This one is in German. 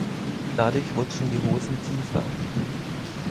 Dadurch rutschen die Hosen tiefer.